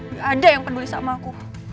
nggak ada yang peduli sama aku